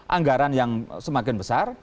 anggaran yang semakin besar